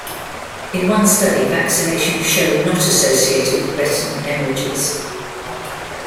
In one study vaccination was shown not associated with retinal hemorrhages.